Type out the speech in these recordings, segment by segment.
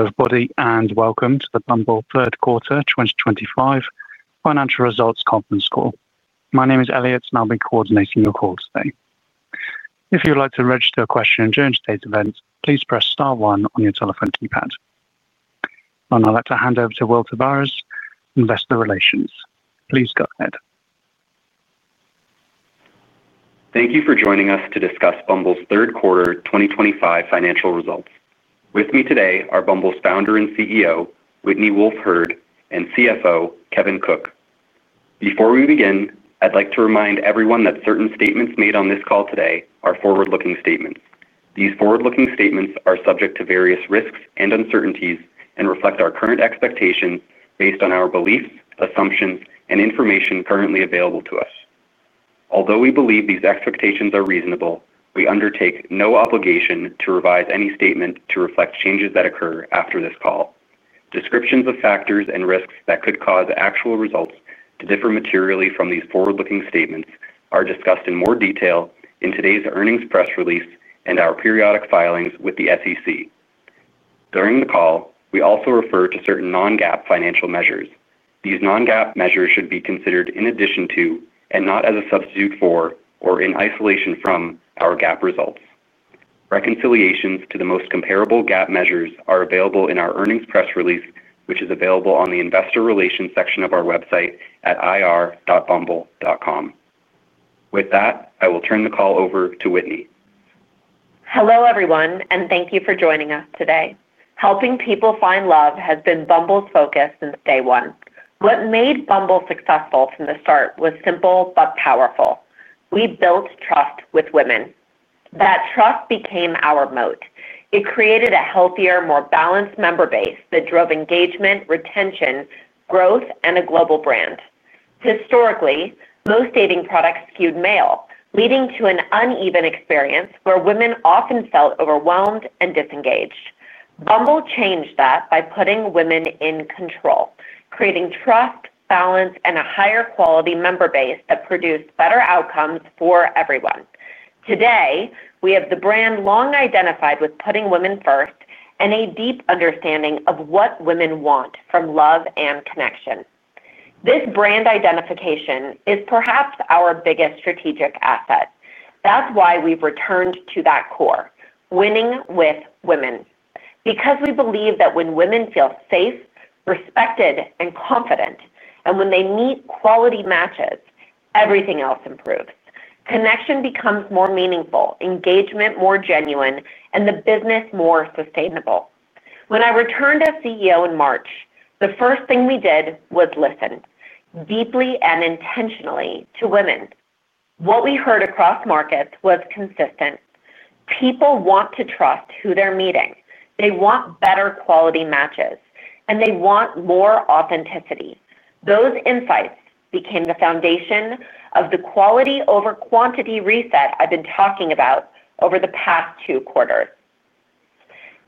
Everybody, and welcome to the Bumble Third Quarter 2025 Financial Results Conference Call. My name is Elliot, and I'll be coordinating your call today. If you would like to register a question during today's event, please press star one on your telephone keypad. I'd like to hand over to Will Taveras, Investor Relations. Please go ahead. Thank you for joining us to discuss Bumble's Third Quarter 2025 Financial Results. With me today are Bumble's Founder and CEO, Whitney Wolfe Herd, and CFO, Kevin Cook. Before we begin, I'd like to remind everyone that certain statements made on this call today are forward-looking statements. These forward-looking statements are subject to various risks and uncertainties and reflect our current expectations based on our beliefs, assumptions, and information currently available to us. Although we believe these expectations are reasonable, we undertake no obligation to revise any statement to reflect changes that occur after this call. Descriptions of factors and risks that could cause actual results to differ materially from these forward-looking statements are discussed in more detail in today's earnings press release and our periodic filings with the SEC. During the call, we also refer to certain non-GAAP financial measures. These non-GAAP measures should be considered in addition to, and not as a substitute for, or in isolation from, our GAAP results. Reconciliations to the most comparable GAAP measures are available in our earnings press release, which is available on the Investor Relations section of our website at ir.bumble.com. With that, I will turn the call over to Whitney. Hello everyone, and thank you for joining us today. Helping people find love has been Bumble's focus since day one. What made Bumble successful from the start was simple but powerful. We built trust with women. That trust became our moat. It created a healthier, more balanced member base that drove engagement, retention, growth, and a global brand. Historically, most dating products skewed male, leading to an uneven experience where women often felt overwhelmed and disengaged. Bumble changed that by putting women in control, creating trust, balance, and a higher quality member base that produced better outcomes for everyone. Today, we have the brand long identified with putting women first and a deep understanding of what women want from love and connection. This brand identification is perhaps our biggest strategic asset. That's why we've returned to that core: winning with women. Because we believe that when women feel safe, respected, and confident, and when they meet quality matches, everything else improves. Connection becomes more meaningful, engagement more genuine, and the business more sustainable. When I returned as CEO in March, the first thing we did was listen deeply and intentionally to women. What we heard across markets was consistent. People want to trust who they're meeting. They want better quality matches, and they want more authenticity. Those insights became the foundation of the quality-over-quantity reset I've been talking about over the past two quarters.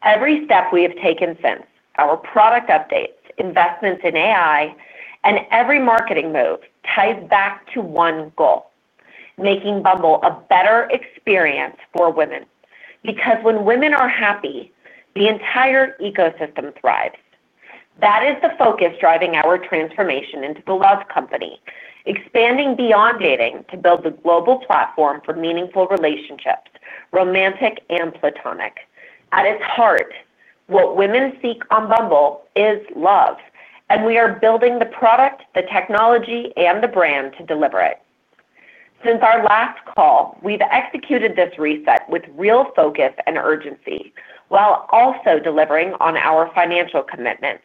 Every step we have taken since, our product updates, investments in AI, and every marketing move ties back to one goal: making Bumble a better experience for women. Because when women are happy, the entire ecosystem thrives. That is the focus driving our transformation into the Love Company, expanding beyond dating to build the global platform for meaningful relationships, romantic and platonic. At its heart, what women seek on Bumble is love, and we are building the product, the technology, and the brand to deliver it. Since our last call, we've executed this reset with real focus and urgency while also delivering on our financial commitments.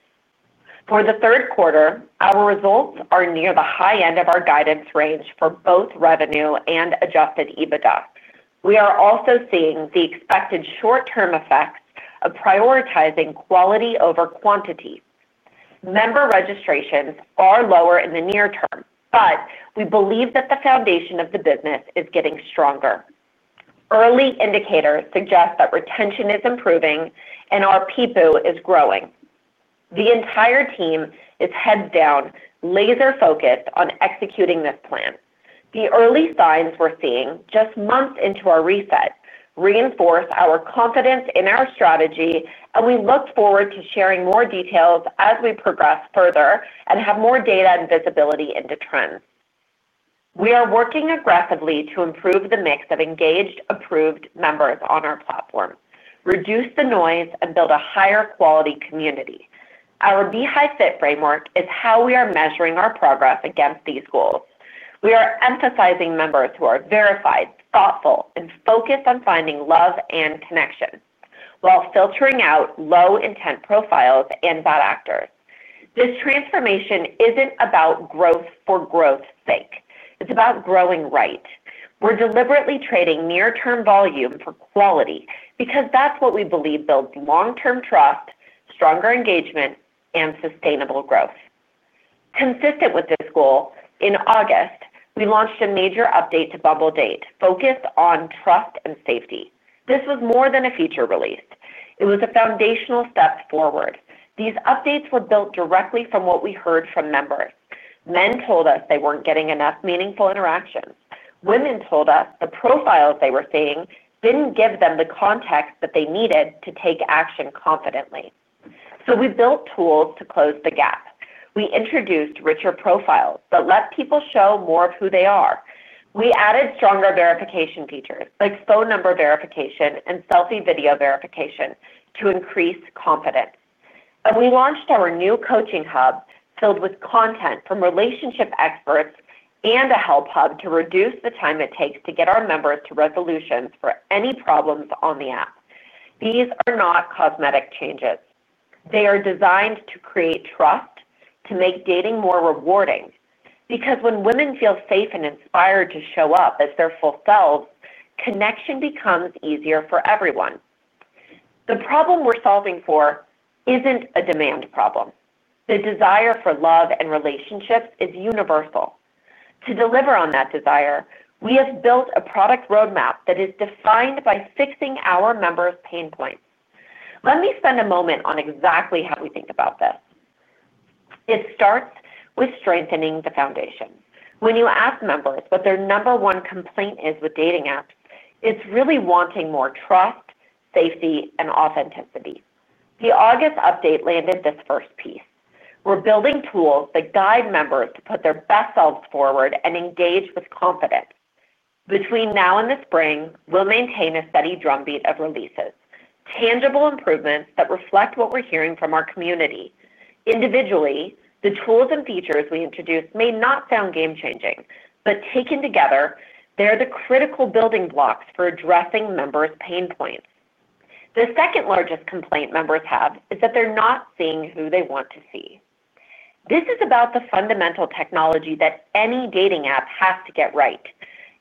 For the third quarter, our results are near the high end of our guidance range for both revenue and adjusted EBITDA. We are also seeing the expected short-term effects of prioritizing quality over quantity. Member registrations are lower in the near term, but we believe that the foundation of the business is getting stronger. Early indicators suggest that retention is improving and our people is growing. The entire team is heads down, laser-focused on executing this plan. The early signs we're seeing just months into our reset reinforce our confidence in our strategy, and we look forward to sharing more details as we progress further and have more data and visibility into trends. We are working aggressively to improve the mix of engaged, approved members on our platform, reduce the noise, and build a higher quality community. Our Beehive Fit framework is how we are measuring our progress against these goals. We are emphasizing members who are verified, thoughtful, and focused on finding love and connection while filtering out low-intent profiles and bad actors. This transformation isn't about growth for growth's sake. It's about growing right. We're deliberately trading near-term volume for quality because that's what we believe builds long-term trust, stronger engagement, and sustainable growth. Consistent with this goal, in August, we launched a major update to Bumble Date focused on trust and safety. This was more than a feature release. It was a foundational step forward. These updates were built directly from what we heard from members. Men told us they were not getting enough meaningful interactions. Women told us the profiles they were seeing did not give them the context that they needed to take action confidently. We built tools to close the gap. We introduced richer profiles that let people show more of who they are. We added stronger verification features like phone number verification and selfie video verification to increase confidence. We launched our new coaching hub filled with content from relationship experts and a help hub to reduce the time it takes to get our members to resolutions for any problems on the app. These are not cosmetic changes. They are designed to create trust, to make dating more rewarding. Because when women feel safe and inspired to show up as their full selves, connection becomes easier for everyone. The problem we're solving for isn't a demand problem. The desire for love and relationships is universal. To deliver on that desire, we have built a product roadmap that is defined by fixing our members' pain points. Let me spend a moment on exactly how we think about this. It starts with strengthening the foundation. When you ask members what their number one complaint is with dating apps, it's really wanting more trust, safety, and authenticity. The August update landed this first piece. We're building tools that guide members to put their best selves forward and engage with confidence. Between now and the spring, we'll maintain a steady drumbeat of releases, tangible improvements that reflect what we're hearing from our community. Individually, the tools and features we introduce may not sound game-changing, but taken together, they're the critical building blocks for addressing members' pain points. The second largest complaint members have is that they're not seeing who they want to see. This is about the fundamental technology that any dating app has to get right.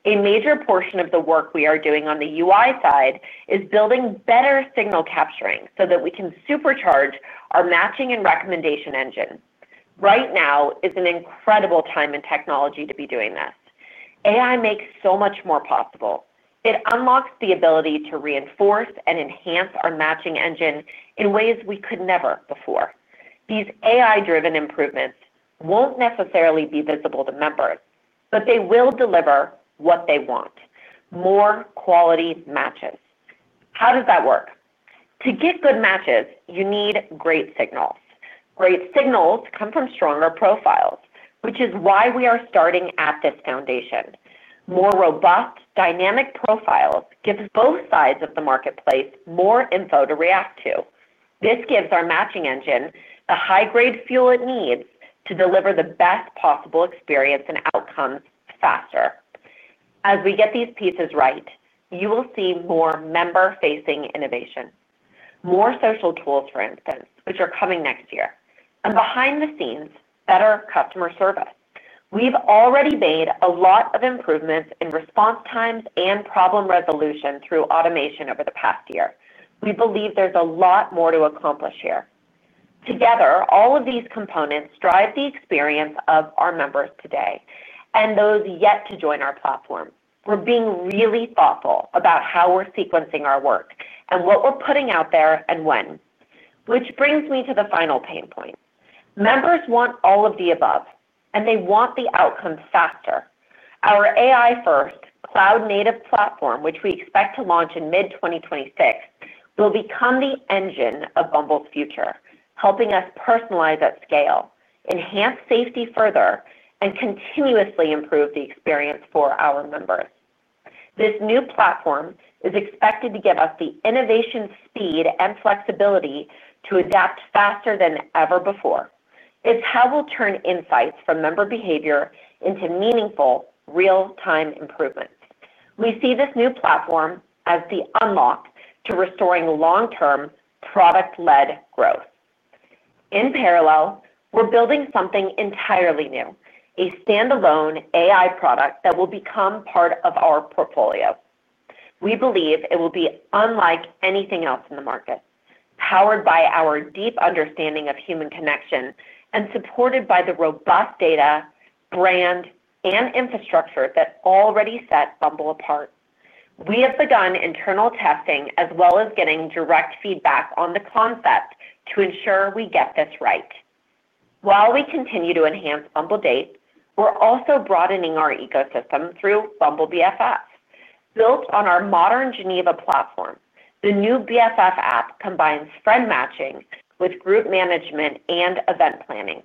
A major portion of the work we are doing on the UI side is building better signal capturing so that we can supercharge our matching and recommendation engine. Right now is an incredible time in technology to be doing this. AI makes so much more possible. It unlocks the ability to reinforce and enhance our matching engine in ways we could never before. These AI-driven improvements won't necessarily be visible to members, but they will deliver what they want: more quality matches. How does that work? To get good matches, you need great signals. Great signals come from stronger profiles, which is why we are starting at this foundation. More robust, dynamic profiles give both sides of the marketplace more info to react to. This gives our matching engine the high-grade fuel it needs to deliver the best possible experience and outcomes faster. As we get these pieces right, you will see more member-facing innovation, more social tools, for instance, which are coming next year, and behind the scenes, better customer service. We have already made a lot of improvements in response times and problem resolution through automation over the past year. We believe there is a lot more to accomplish here. Together, all of these components drive the experience of our members today and those yet to join our platform. We're being really thoughtful about how we're sequencing our work and what we're putting out there and when, which brings me to the final pain point. Members want all of the above, and they want the outcome faster. Our AI-first cloud-native platform, which we expect to launch in mid-2026, will become the engine of Bumble's future, helping us personalize at scale, enhance safety further, and continuously improve the experience for our members. This new platform is expected to give us the innovation speed and flexibility to adapt faster than ever before. It's how we'll turn insights from member behavior into meaningful real-time improvements. We see this new platform as the unlock to restoring long-term product-led growth. In parallel, we're building something entirely new, a standalone AI product that will become part of our portfolio. We believe it will be unlike anything else in the market, powered by our deep understanding of human connection and supported by the robust data, brand, and infrastructure that already set Bumble apart. We have begun internal testing as well as getting direct feedback on the concept to ensure we get this right. While we continue to enhance Bumble Date, we're also broadening our ecosystem through Bumble BFF. Built on our modern Geneva platform, the new BFF app combines friend matching with group management and event planning.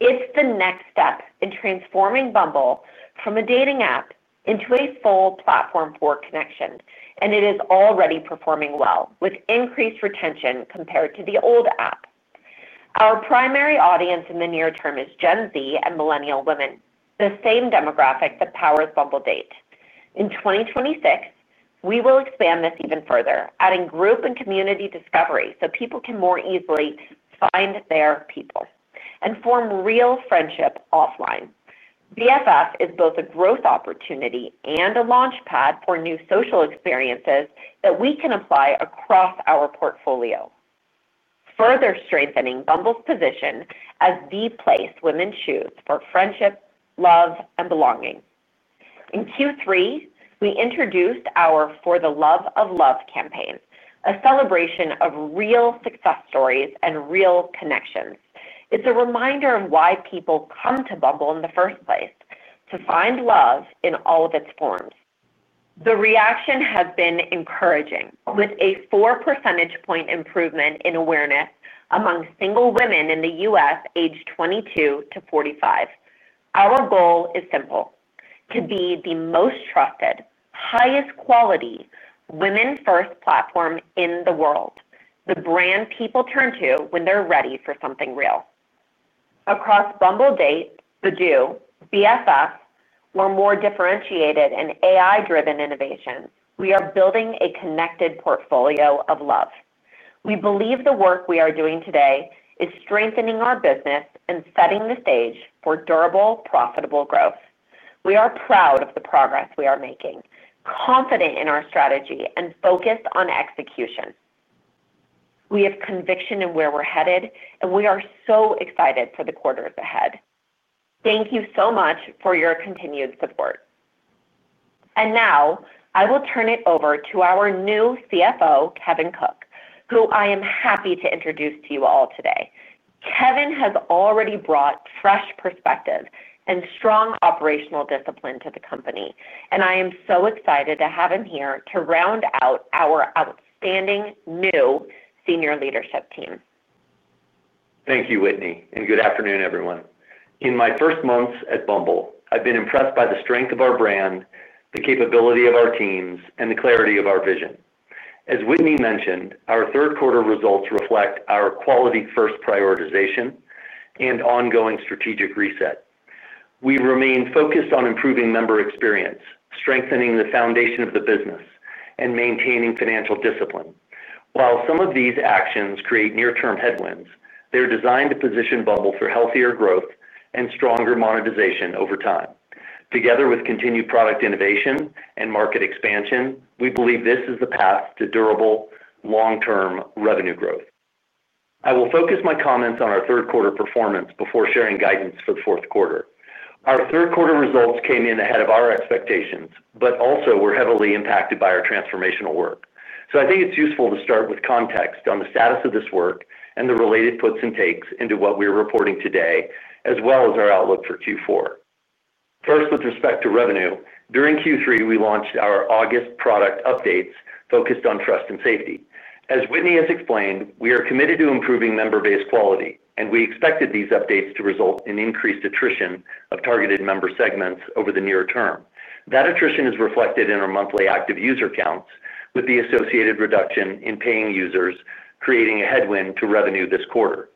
It's the next step in transforming Bumble from a dating app into a full platform for connection, and it is already performing well with increased retention compared to the old app. Our primary audience in the near term is Gen Z and millennial women, the same demographic that powers Bumble Date. In 2026, we will expand this even further, adding group and community discovery so people can more easily find their people and form real friendships offline. BFF is both a growth opportunity and a launchpad for new social experiences that we can apply across our portfolio. Further strengthening Bumble's position as the place women choose for friendship, love, and belonging. In Q3, we introduced our For the Love of Love campaign, a celebration of real success stories and real connections. It's a reminder of why people come to Bumble in the first place: to find love in all of its forms. The reaction has been encouraging, with a 4 percentage point improvement in awareness among single women in the U.S. aged 22 to 45. Our goal is simple: to be the most trusted, highest-quality, women-first platform in the world, the brand people turn to when they're ready for something real. Across Bumble Date, Badoo, BFF, we're more differentiated in AI-driven innovation. We are building a connected portfolio of love. We believe the work we are doing today is strengthening our business and setting the stage for durable, profitable growth. We are proud of the progress we are making, confident in our strategy, and focused on execution. We have conviction in where we're headed, and we are so excited for the quarters ahead. Thank you so much for your continued support. I will turn it over to our new CFO, Kevin Cook, who I am happy to introduce to you all today. Kevin has already brought fresh perspective and strong operational discipline to the company, and I am so excited to have him here to round out our outstanding new senior leadership team. Thank you, Whitney, and good afternoon, everyone. In my first months at Bumble, I've been impressed by the strength of our brand, the capability of our teams, and the clarity of our vision. As Whitney mentioned, our third-quarter results reflect our quality-first prioritization and ongoing strategic reset. We remain focused on improving member experience, strengthening the foundation of the business, and maintaining financial discipline. While some of these actions create near-term headwinds, they're designed to position Bumble for healthier growth and stronger monetization over time. Together with continued product innovation and market expansion, we believe this is the path to durable, long-term revenue growth. I will focus my comments on our third-quarter performance before sharing guidance for the fourth quarter. Our third-quarter results came in ahead of our expectations, but also were heavily impacted by our transformational work. I think it's useful to start with context on the status of this work and the related puts and takes into what we're reporting today, as well as our outlook for Q4. First, with respect to revenue, during Q3, we launched our August product updates focused on trust and safety. As Whitney has explained, we are committed to improving member-based quality, and we expected these updates to result in increased attrition of targeted member segments over the near term. That attrition is reflected in our monthly active user counts, with the associated reduction in paying users creating a headwind to revenue this quarter.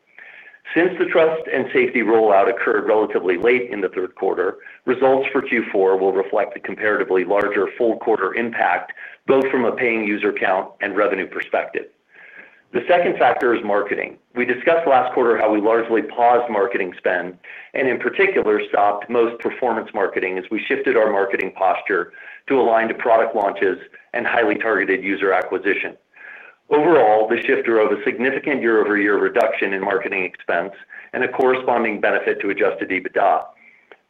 Since the trust and safety rollout occurred relatively late in the third quarter, results for Q4 will reflect the comparatively larger full-quarter impact both from a paying user count and revenue perspective. The second factor is marketing. We discussed last quarter how we largely paused marketing spend and, in particular, stopped most performance marketing as we shifted our marketing posture to align to product launches and highly targeted user acquisition. Overall, the shift drove a significant year-over-year reduction in marketing expense and a corresponding benefit to adjusted EBITDA.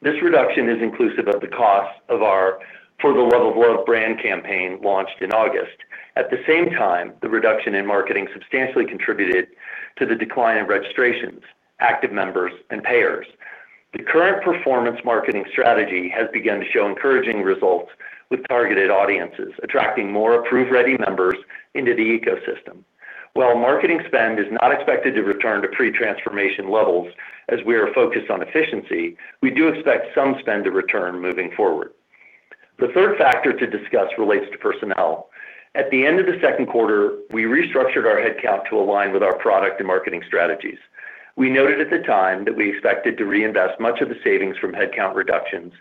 This reduction is inclusive of the cost of our For the Love of Love brand campaign launched in August. At the same time, the reduction in marketing substantially contributed to the decline in registrations, active members, and payers. The current performance marketing strategy has begun to show encouraging results with targeted audiences, attracting more approve-ready members into the ecosystem. While marketing spend is not expected to return to pre-transformation levels as we are focused on efficiency, we do expect some spend to return moving forward. The third factor to discuss relates to personnel. At the end of the second quarter, we restructured our headcount to align with our product and marketing strategies. We noted at the time that we expected to reinvest much of the savings from headcount reductions,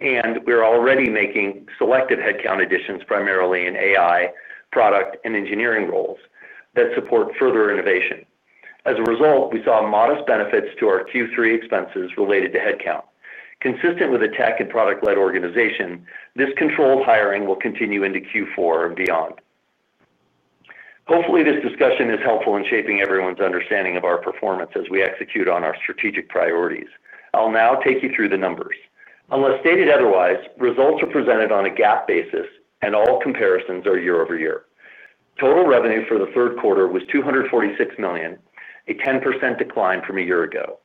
and we're already making selective headcount additions primarily in AI, product, and engineering roles that support further innovation. As a result, we saw modest benefits to our Q3 expenses related to headcount. Consistent with a tech and product-led organization, this controlled hiring will continue into Q4 and beyond. Hopefully, this discussion is helpful in shaping everyone's understanding of our performance as we execute on our strategic priorities. I'll now take you through the numbers. Unless stated otherwise, results are presented on a GAAP basis, and all comparisons are year-over-year. Total revenue for the third quarter was $246 million, a 10% decline from a year ago.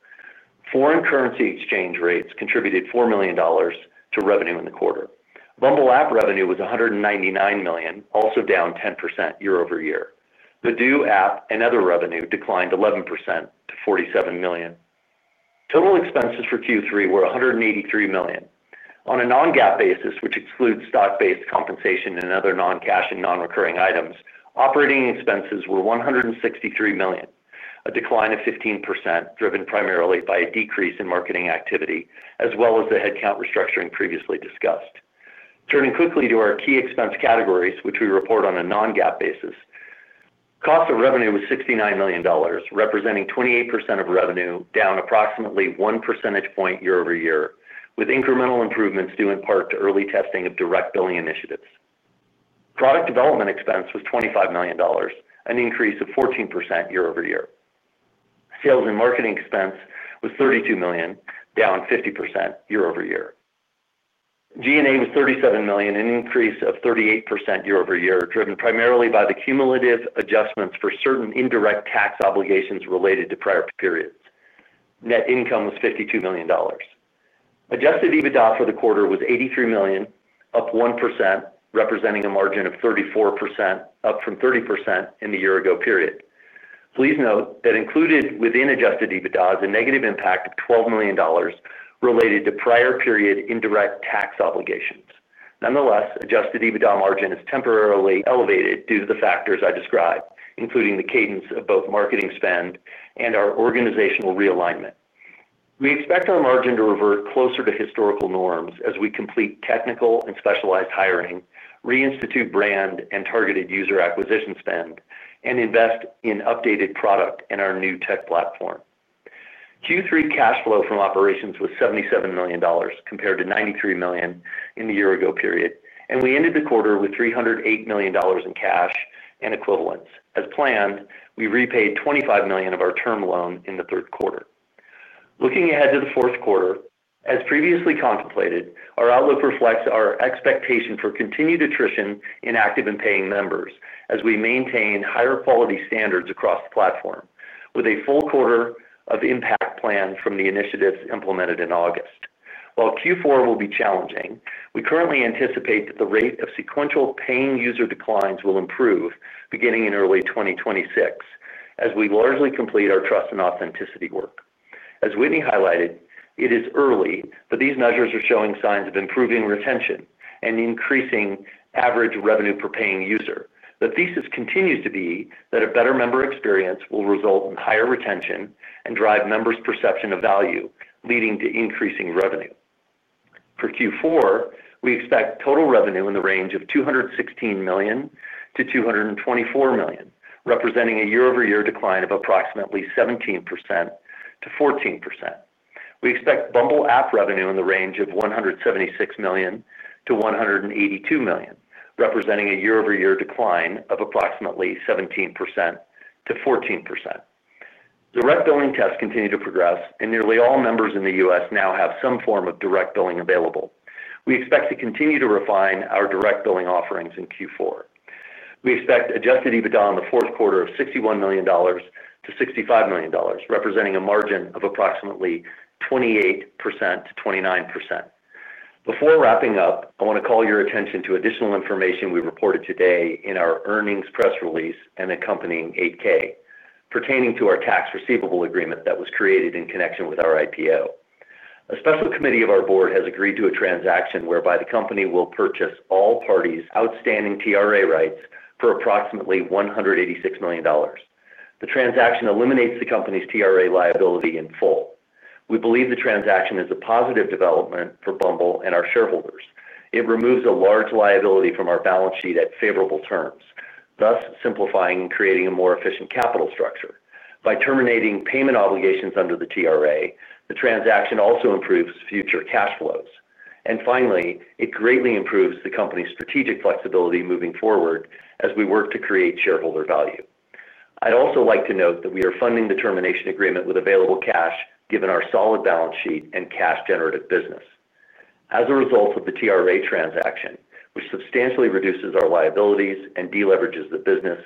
Foreign currency exchange rates contributed $4 million to revenue in the quarter. Bumble app revenue was $199 million, also down 10% year-over-year. Badoo app and other revenue declined 11% to $47 million. Total expenses for Q3 were $183 million. On a non-GAAP basis, which excludes stock-based compensation and other non-cash and non-recurring items, operating expenses were $163 million, a decline of 15% driven primarily by a decrease in marketing activity as well as the headcount restructuring previously discussed. Turning quickly to our key expense categories, which we report on a non-GAAP basis. Cost of revenue was $69 million, representing 28% of revenue, down approximately 1% point year-over-year, with incremental improvements due in part to early testing of direct billing initiatives. Product development expense was $25 million, an increase of 14% year-over-year. Sales and marketing expense was $32 million, down 50% year-over-year. G&A was $37 million, an increase of 38% year-over-year, driven primarily by the cumulative adjustments for certain indirect tax obligations related to prior periods. Net income was $52 million. Adjusted EBITDA for the quarter was $83 million, up 1%, representing a margin of 34%, up from 30% in the year-ago period. Please note that included within adjusted EBITDA is a negative impact of $12 million related to prior-period indirect tax obligations. Nonetheless, adjusted EBITDA margin is temporarily elevated due to the factors I described, including the cadence of both marketing spend and our organizational realignment. We expect our margin to revert closer to historical norms as we complete technical and specialized hiring, reinstitute brand and targeted user acquisition spend, and invest in updated product and our new tech platform. Q3 cash flow from operations was $77 million compared to $93 million in the year-ago period, and we ended the quarter with $308 million in cash and equivalents. As planned, we repaid $25 million of our term loan in the third quarter. Looking ahead to the fourth quarter, as previously contemplated, our outlook reflects our expectation for continued attrition in active and paying members as we maintain higher quality standards across the platform with a full quarter of impact planned from the initiatives implemented in August. While Q4 will be challenging, we currently anticipate that the rate of sequential paying user declines will improve beginning in early 2026 as we largely complete our trust and authenticity work. As Whitney highlighted, it is early, but these measures are showing signs of improving retention and increasing average revenue per paying user. The thesis continues to be that a better member experience will result in higher retention and drive members' perception of value, leading to increasing revenue. For Q4, we expect total revenue in the range of $216 million-$224 million, representing a year-over-year decline of approximately 17%-14%. We expect Bumble app revenue in the range of $176 million-$182 million, representing a year-over-year decline of approximately 17%-14%. Direct billing tests continue to progress, and nearly all members in the U.S. now have some form of direct billing available. We expect to continue to refine our direct billing offerings in Q4. We expect adjusted EBITDA in the fourth quarter of $61 million-$65 million, representing a margin of approximately 28%-29%. Before wrapping up, I want to call your attention to additional information we reported today in our earnings press release and accompanying 8-K, pertaining to our tax receivable agreement that was created in connection with our IPO. A special committee of our board has agreed to a transaction whereby the company will purchase all parties' outstanding TRA rights for approximately $186 million. The transaction eliminates the company's TRA liability in full. We believe the transaction is a positive development for Bumble and our shareholders. It removes a large liability from our balance sheet at favorable terms, thus simplifying and creating a more efficient capital structure. By terminating payment obligations under the TRA, the transaction also improves future cash flows. Finally, it greatly improves the company's strategic flexibility moving forward as we work to create shareholder value. I'd also like to note that we are funding the termination agreement with available cash, given our solid balance sheet and cash-generative business. As a result of the TRA transaction, which substantially reduces our liabilities and deleverages the business,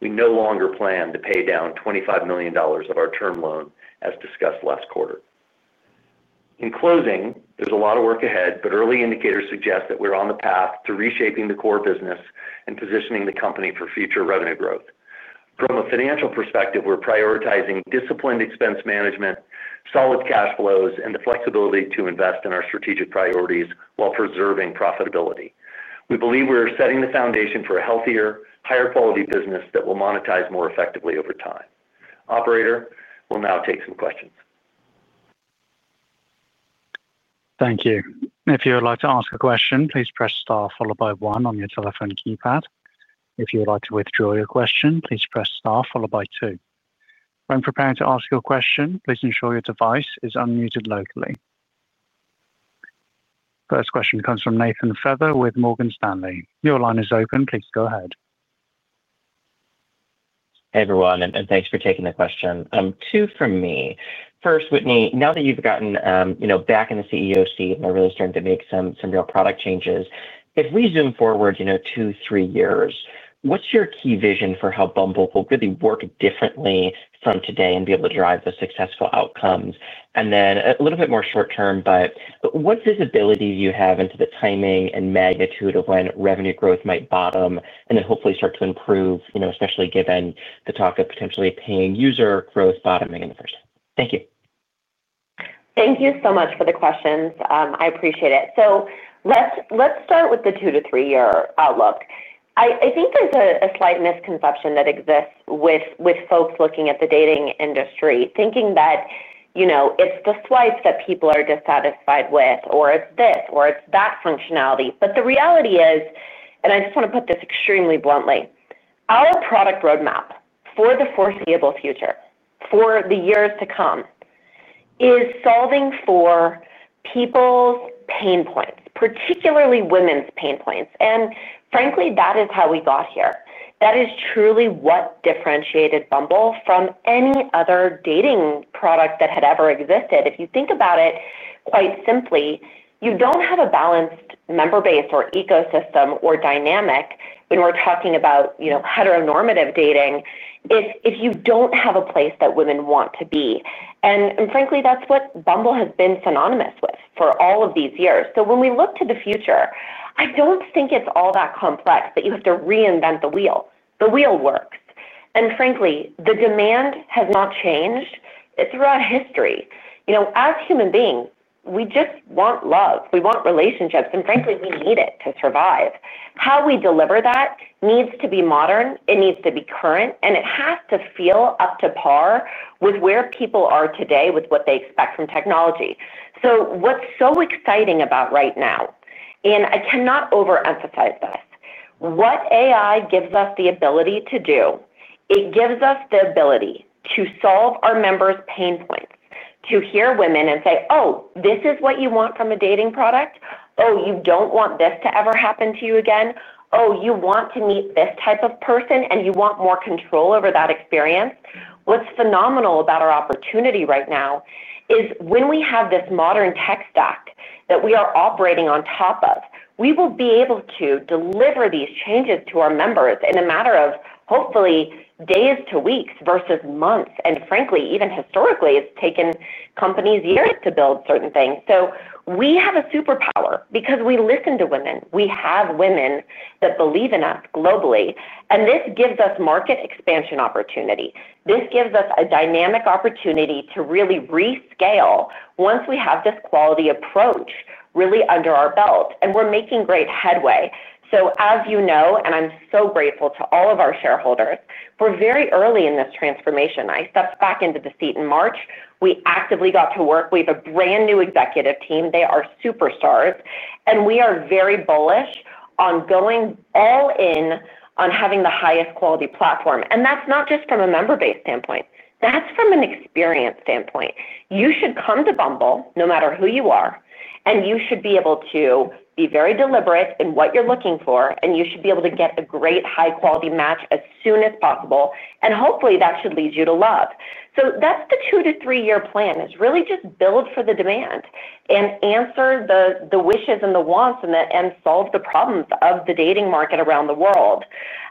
we no longer plan to pay down $25 million of our term loan, as discussed last quarter. In closing, there's a lot of work ahead, but early indicators suggest that we're on the path to reshaping the core business and positioning the company for future revenue growth. From a financial perspective, we're prioritizing disciplined expense management, solid cash flows, and the flexibility to invest in our strategic priorities while preserving profitability. We believe we're setting the foundation for a healthier, higher-quality business that will monetize more effectively over time. Operator, we'll now take some questions. Thank you. If you would like to ask a question, please press Star followed by 1 on your telephone keypad. If you would like to withdraw your question, please press Star followed by 2. When preparing to ask your question, please ensure your device is unmuted locally. First question comes from Nathan Feather with Morgan Stanley. Your line is open. Please go ahead. Hey, everyone, and thanks for taking the question. Two from me. First, Whitney, now that you've gotten back in the CEO seat and are really starting to make some real product changes, if we zoom forward two, three years, what's your key vision for how Bumble will really work differently from today and be able to drive the successful outcomes? A little bit more short-term, what visibility do you have into the timing and magnitude of when revenue growth might bottom and then hopefully start to improve, especially given the talk of potentially paying user growth bottoming in the first time? Thank you. Thank you so much for the questions. I appreciate it. Let's start with the two-to-three-year outlook. I think there's a slight misconception that exists with folks looking at the dating industry, thinking that it's the swipe that people are dissatisfied with, or it's this, or it's that functionality. The reality is, and I just want to put this extremely bluntly, our product roadmap for the foreseeable future, for the years to come, is solving for people's pain points, particularly women's pain points. Frankly, that is how we got here. That is truly what differentiated Bumble from any other dating product that had ever existed. If you think about it quite simply, you do not have a balanced member base or ecosystem or dynamic when we are talking about heteronormative dating if you do not have a place that women want to be. And frankly, that is what Bumble has been synonymous with for all of these years. When we look to the future, I do not think it is all that complex that you have to reinvent the wheel. The wheel works. Frankly, the demand has not changed throughout history. As human beings, we just want love. We want relationships. Frankly, we need it to survive. How we deliver that needs to be modern. It needs to be current. It has to feel up to par with where people are today with what they expect from technology. What's so exciting about right now, and I cannot overemphasize this, what AI gives us the ability to do, it gives us the ability to solve our members' pain points, to hear women and say, "Oh, this is what you want from a dating product? Oh, you don't want this to ever happen to you again? Oh, you want to meet this type of person, and you want more control over that experience?" What's phenomenal about our opportunity right now is when we have this modern tech stack that we are operating on top of, we will be able to deliver these changes to our members in a matter of, hopefully, days to weeks versus months. Frankly, even historically, it's taken companies years to build certain things. We have a superpower because we listen to women. We have women that believe in us globally. This gives us market expansion opportunity. This gives us a dynamic opportunity to really rescale once we have this quality approach really under our belt. We are making great headway. As you know, and I am so grateful to all of our shareholders, we are very early in this transformation. I stepped back into the seat in March. We actively got to work. We have a brand new executive team. They are superstars. We are very bullish on going all in on having the highest quality platform. That is not just from a member base standpoint. That is from an experience standpoint. You should come to Bumble, no matter who you are, and you should be able to be very deliberate in what you are looking for, and you should be able to get a great high-quality match as soon as possible. Hopefully, that should lead you to love. That's the two-to-three-year plan, is really just build for the demand and answer the wishes and the wants and solve the problems of the dating market around the world.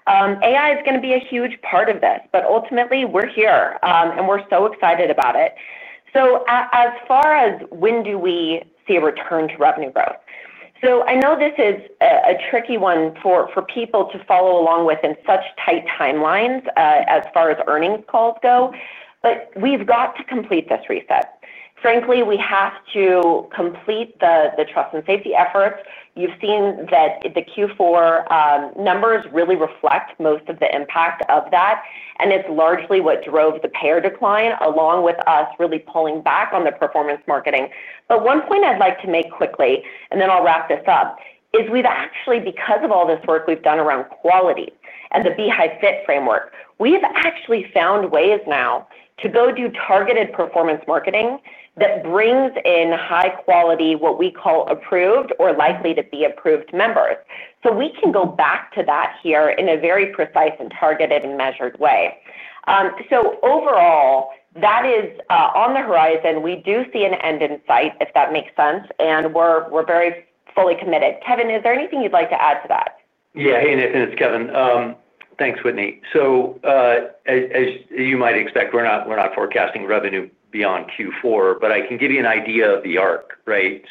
AI is going to be a huge part of this, but ultimately, we're here, and we're so excited about it. As far as when do we see a return to revenue growth? I know this is a tricky one for people to follow along with in such tight timelines as far as earnings calls go, but we've got to complete this reset. Frankly, we have to complete the trust and safety efforts. You've seen that the Q4 numbers really reflect most of the impact of that, and it's largely what drove the payer decline along with us really pulling back on the performance marketing. One point I'd like to make quickly, and then I'll wrap this up, is we've actually, because of all this work we've done around quality and the Beehive Fit framework, we've actually found ways now to go do targeted performance marketing that brings in high-quality, what we call approved or likely to be approved members. We can go back to that here in a very precise and targeted and measured way. Overall, that is on the horizon. We do see an end in sight, if that makes sense, and we're very fully committed. Kevin, is there anything you'd like to add to that? Yeah. Hey, Nathan. It's Kevin. Thanks, Whitney. As you might expect, we're not forecasting revenue beyond Q4, but I can give you an idea of the arc, right?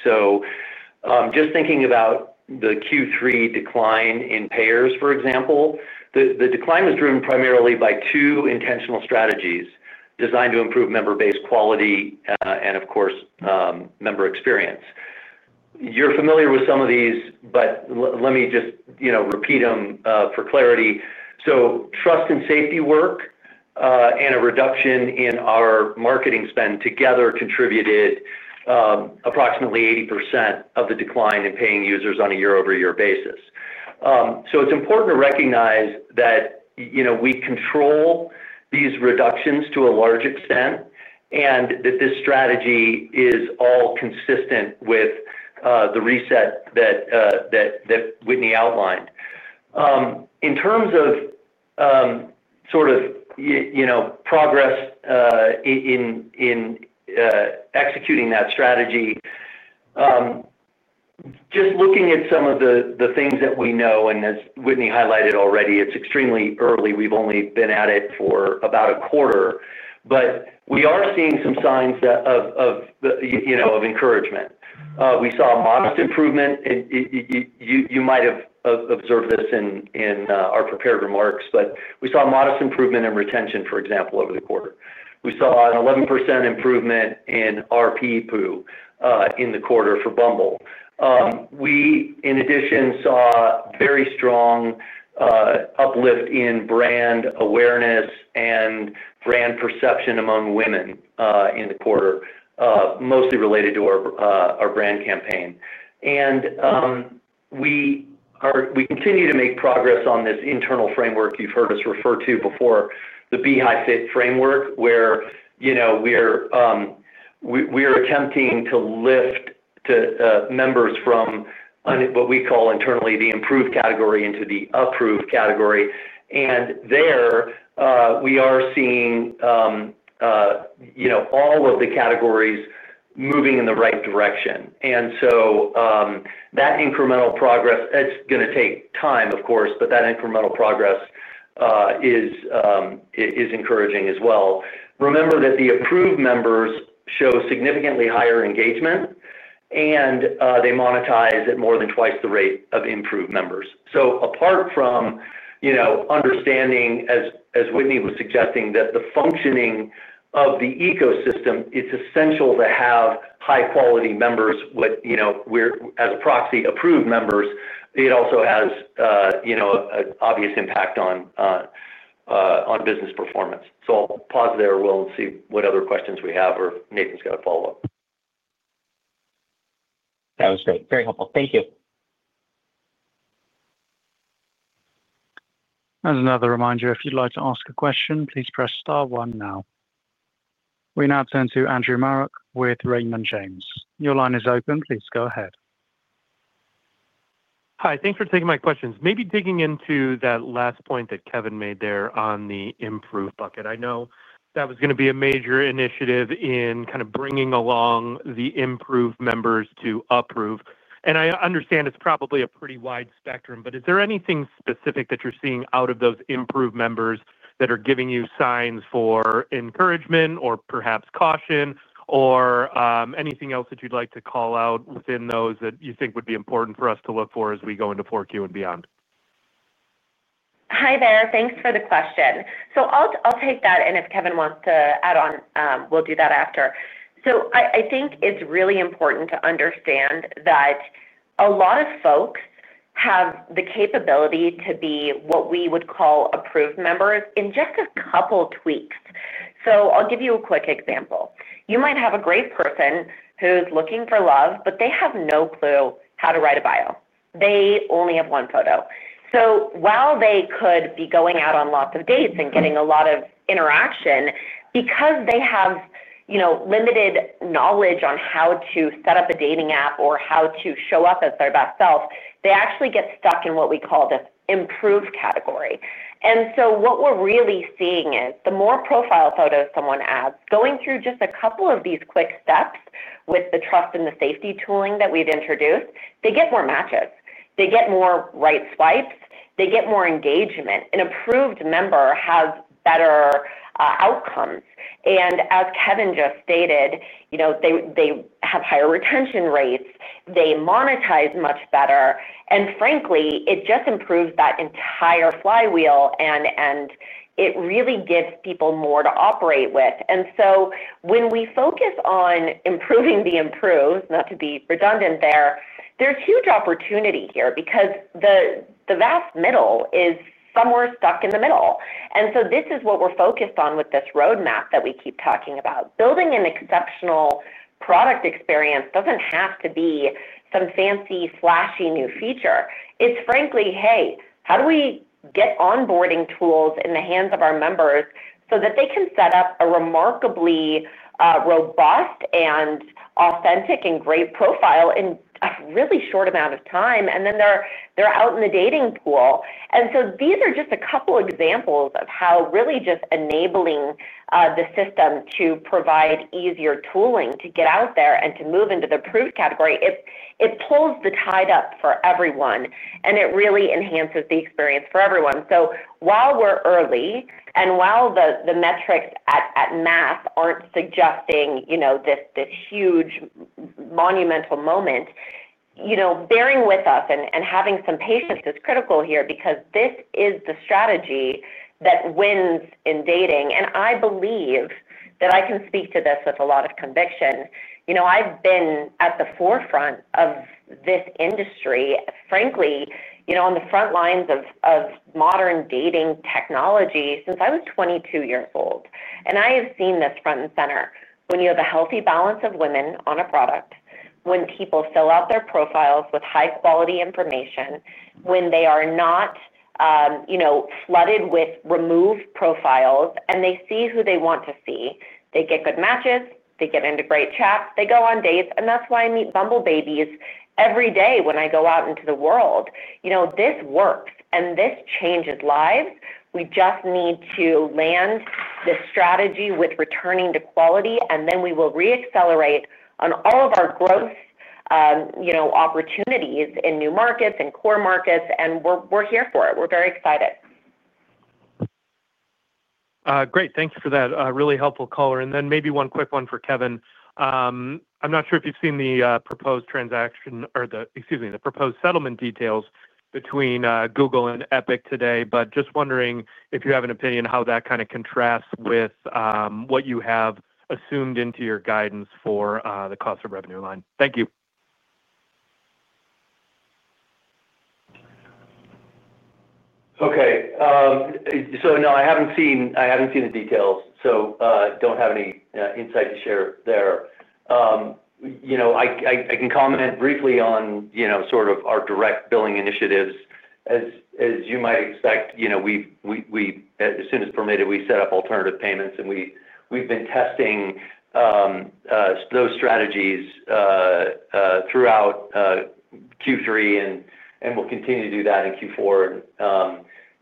Just thinking about the Q3 decline in payers, for example, the decline was driven primarily by two intentional strategies designed to improve member base quality and, of course, member experience. You're familiar with some of these, but let me just repeat them for clarity. Trust and safety work and a reduction in our marketing spend together contributed approximately 80% of the decline in paying users on a year-over-year basis. It's important to recognize that we control these reductions to a large extent and that this strategy is all consistent with the reset that Whitney outlined. In terms of progress in executing that strategy, just looking at some of the things that we know, and as Whitney highlighted already, it's extremely early. We've only been at it for about a quarter, but we are seeing some signs of encouragement. We saw modest improvement. You might have observed this in our prepared remarks, but we saw modest improvement in retention, for example, over the quarter. We saw an 11% improvement in RPPU in the quarter for Bumble. We, in addition, saw very strong uplift in brand awareness and brand perception among women in the quarter, mostly related to our brand campaign. We continue to make progress on this internal framework you've heard us refer to before, the Beehive Fit framework, where we're attempting to lift members from what we call internally the improved category into the approved category. There, we are seeing all of the categories moving in the right direction. That incremental progress, it's going to take time, of course, but that incremental progress is encouraging as well. Remember that the approved members show significantly higher engagement. They monetize at more than twice the rate of improved members. Apart from understanding, as Whitney was suggesting, that the functioning of the ecosystem, it's essential to have high-quality members. As a proxy, approved members, it also has an obvious impact on business performance. I'll pause there, Will, and see what other questions we have or if Nathan's got a follow-up. That was great. Very helpful. Thank you. As another reminder, if you'd like to ask a question, please press star one now. We now turn to Andrew Marok with Raymond James. Your line is open. Please go ahead. Hi. Thanks for taking my questions. Maybe digging into that last point that Kevin made there on the improved bucket. I know that was going to be a major initiative in kind of bringing along the improved members to approve. I understand it's probably a pretty wide spectrum, but is there anything specific that you're seeing out of those improved members that are giving you signs for encouragement or perhaps caution or anything else that you'd like to call out within those that you think would be important for us to look for as we go into 4Q and beyond? Hi there. Thanks for the question. I'll take that. If Kevin wants to add on, we'll do that after. I think it's really important to understand that a lot of folks have the capability to be what we would call approved members in just a couple of tweaks. I'll give you a quick example. You might have a great person who's looking for love, but they have no clue how to write a bio. They only have one photo. While they could be going out on lots of dates and getting a lot of interaction, because they have limited knowledge on how to set up a dating app or how to show up as their best self, they actually get stuck in what we call the improved category. What we're really seeing is the more profile photos someone adds, going through just a couple of these quick steps with the trust and the safety tooling that we've introduced, they get more matches. They get more right swipes. They get more engagement. An approved member has better outcomes. As Kevin just stated, they have higher retention rates. They monetize much better. Frankly, it just improves that entire flywheel, and it really gives people more to operate with. When we focus on improving the improved, not to be redundant there, there is huge opportunity here because the vast middle is somewhere stuck in the middle. This is what we are focused on with this roadmap that we keep talking about. Building an exceptional product experience does not have to be some fancy, flashy new feature. It is frankly, hey, how do we get onboarding tools in the hands of our members so that they can set up a remarkably robust and authentic and great profile in a really short amount of time, and then they are out in the dating pool? These are just a couple of examples of how really just enabling the system to provide easier tooling to get out there and to move into the approved category pulls the tide up for everyone, and it really enhances the experience for everyone. While we're early and while the metrics at mass aren't suggesting this huge, monumental moment, bearing with us and having some patience is critical here because this is the strategy that wins in dating. I believe that I can speak to this with a lot of conviction. I've been at the forefront of this industry, frankly, on the front lines of modern dating technology since I was 22 years old. I have seen this front and center. When you have a healthy balance of women on a product, when people fill out their profiles with high-quality information, when they are not flooded with removed profiles, and they see who they want to see, they get good matches, they get into great chats, they go on dates. That's why I meet Bumble babies every day when I go out into the world. This works, and this changes lives. We just need to land this strategy with returning to quality, and then we will re-accelerate on all of our growth. Opportunities in new markets and core markets. We are here for it. We are very excited. Great. Thank you for that. Really helpful caller. Maybe one quick one for Kevin. I'm not sure if you've seen the proposed transaction or the, excuse me, the proposed settlement details between Google and Epic today, but just wondering if you have an opinion on how that kind of contrasts with what you have assumed into your guidance for the cost of revenue line. Thank you. Okay. No, I haven't seen the details, so I don't have any insight to share there. I can comment briefly on sort of our direct billing initiatives. As you might expect. As soon as permitted, we set up alternative payments, and we've been testing those strategies throughout Q3, and we'll continue to do that in Q4.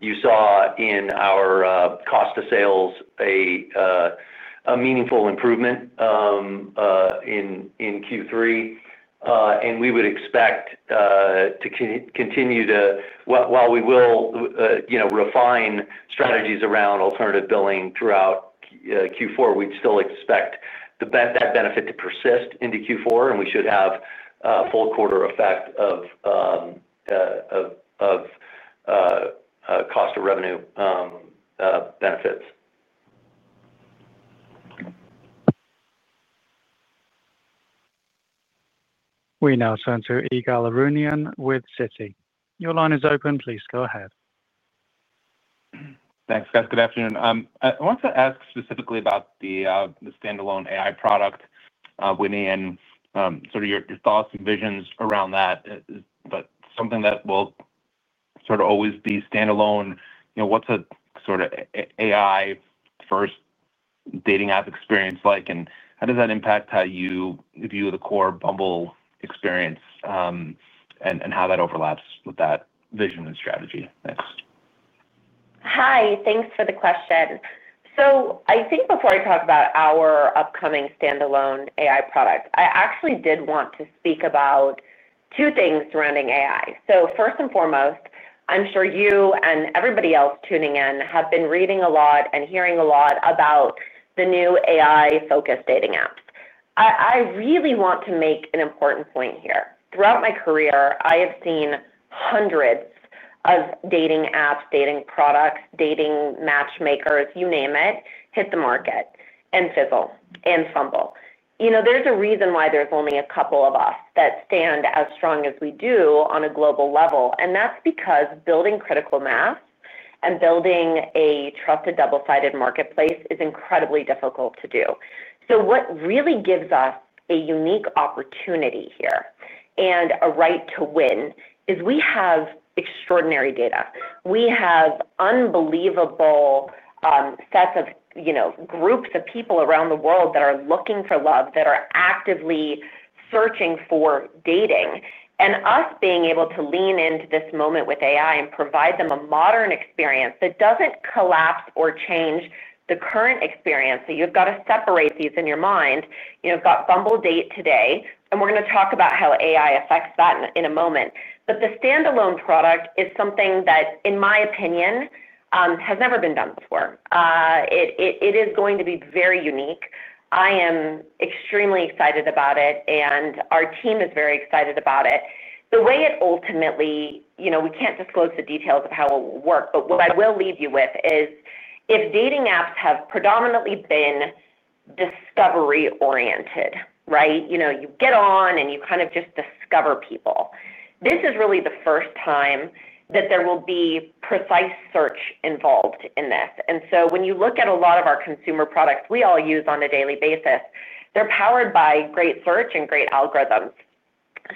You saw in our cost of sales a meaningful improvement in Q3. We would expect to continue to, while we will refine strategies around alternative billing throughout Q4, we'd still expect that benefit to persist into Q4, and we should have a full quarter effect of cost of revenue benefits. We now turn to Ygal Arounian with Citi. Your line is open. Please go ahead. Thanks, guys. Good afternoon. I want to ask specifically about the standalone AI product, Whitney, and sort of your thoughts and visions around that. Is that something that will sort of always be standalone, what's a sort of AI-first dating app experience like, and how does that impact how you view the core Bumble experience. How that overlaps with that vision and strategy? Thanks. Hi. Thanks for the question. I think before I talk about our upcoming standalone AI product, I actually did want to speak about two things surrounding AI. First and foremost, I'm sure you and everybody else tuning in have been reading a lot and hearing a lot about the new AI-focused dating apps. I really want to make an important point here. Throughout my career, I have seen hundreds of dating apps, dating products, dating matchmakers, you name it, hit the market and fizzle and fumble. There's a reason why there's only a couple of us that stand as strong as we do on a global level. That's because building critical mass and building a trusted double-sided marketplace is incredibly difficult to do. What really gives us a unique opportunity here and a right to win is we have extraordinary data. We have unbelievable sets of groups of people around the world that are looking for love, that are actively searching for dating. Us being able to lean into this moment with AI and provide them a modern experience that does not collapse or change the current experience. You have to separate these in your mind. You have Bumble Date today, and we are going to talk about how AI affects that in a moment. The standalone product is something that, in my opinion, has never been done before. It is going to be very unique. I am extremely excited about it, and our team is very excited about it. The way it ultimately—we can't disclose the details of how it will work—but what I will leave you with is if dating apps have predominantly been discovery-oriented, right? You get on, and you kind of just discover people. This is really the first time that there will be precise search involved in this. When you look at a lot of our consumer products we all use on a daily basis, they're powered by great search and great algorithms.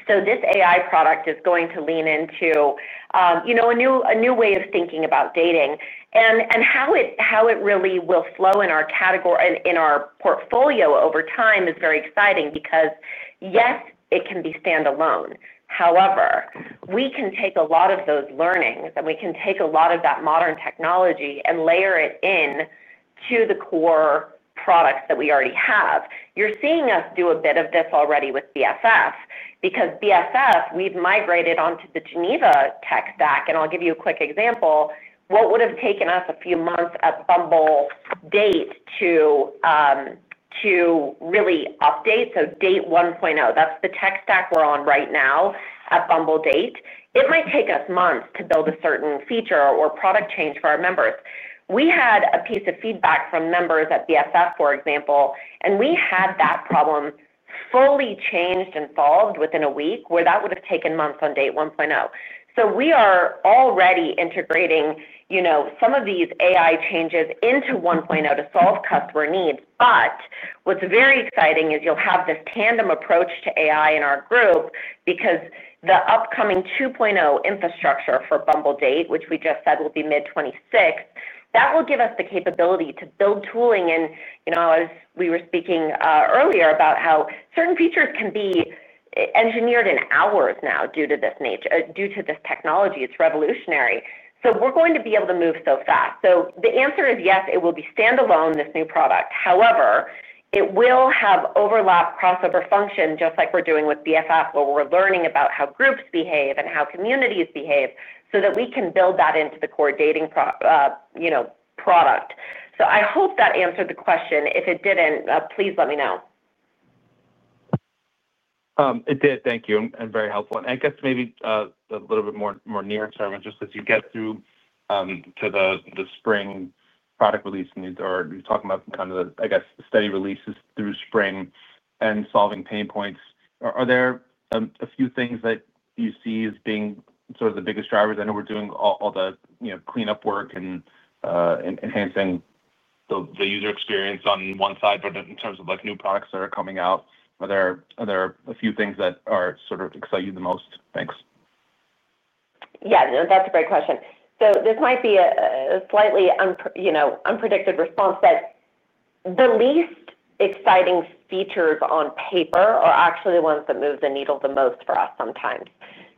This AI product is going to lean into a new way of thinking about dating. How it really will flow in our portfolio over time is very exciting because, yes, it can be standalone. However, we can take a lot of those learnings, and we can take a lot of that modern technology and layer it into the core products that we already have. You're seeing us do a bit of this already with BFF because BFF, we've migrated onto the Geneva tech stack. I'll give you a quick example. What would have taken us a few months at Bumble Date to really update—so Date 1.0, that's the tech stack we're on right now at Bumble Date—it might take us months to build a certain feature or product change for our members. We had a piece of feedback from members at BFF, for example, and we had that problem fully changed and solved within a week where that would have taken months on Date 1.0. We are already integrating some of these AI changes into 1.0 to solve customer needs. What's very exciting is you'll have this tandem approach to AI in our group because the upcoming 2.0 infrastructure for Bumble Date, which we just said will be mid-2026, that will give us the capability to build tooling. As we were speaking earlier about how certain features can be engineered in hours now due to this technology, it's revolutionary. We're going to be able to move so fast. The answer is yes, it will be standalone, this new product. However, it will have overlap crossover function, just like we're doing with BFF, where we're learning about how groups behave and how communities behave so that we can build that into the core dating product. I hope that answered the question. If it didn't, please let me know. It did. Thank you. Very helpful. I guess maybe a little bit more near term, just as you get through to the spring product release, or you're talking about kind of the, I guess, steady releases through spring and solving pain points, are there a few things that you see as being sort of the biggest drivers? I know we're doing all the cleanup work and enhancing the user experience on one side, but in terms of new products that are coming out, are there a few things that sort of excite you the most? Thanks. Yeah. That's a great question. This might be a slightly unpredicted response, but the least exciting features on paper are actually the ones that move the needle the most for us sometimes.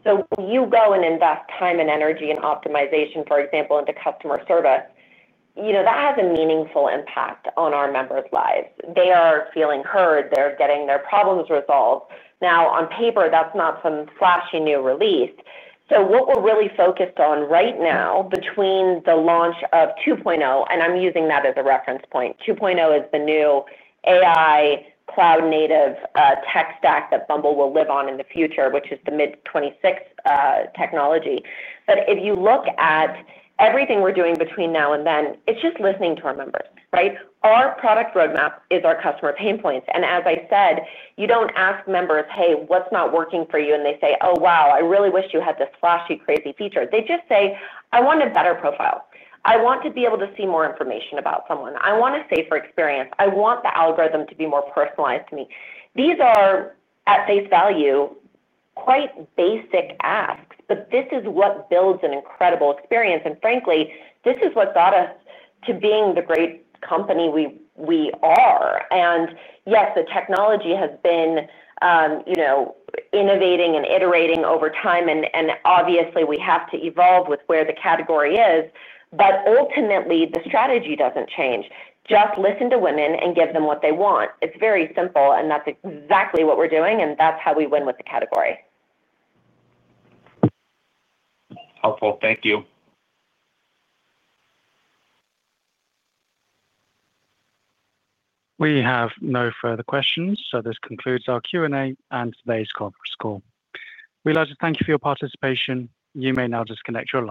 When you go and invest time and energy and optimization, for example, into customer service, that has a meaningful impact on our members' lives. They are feeling heard. They're getting their problems resolved. Now, on paper, that's not some flashy new release. What we're really focused on right now between the launch of 2.0, and I'm using that as a reference point, 2.0 is the new AI cloud-native tech stack that Bumble will live on in the future, which is the mid-2026 technology. If you look at everything we're doing between now and then, it's just listening to our members, right? Our product roadmap is our customer pain points. As I said, you don't ask members, "Hey, what's not working for you?" and they say, "Oh, wow. I really wish you had this flashy, crazy feature." They just say, "I want a better profile. I want to be able to see more information about someone. I want a safer experience. I want the algorithm to be more personalized to me. These are, at face value, quite basic asks, but this is what builds an incredible experience. Frankly, this is what got us to being the great company we are. Yes, the technology has been innovating and iterating over time, and obviously, we have to evolve with where the category is. Ultimately, the strategy does not change. Just listen to women and give them what they want. It is very simple, and that is exactly what we are doing, and that is how we win with the category. Helpful. Thank you. We have no further questions. This concludes our Q&A and today's call for score. We would like to thank you for your participation. You may now disconnect for a moment.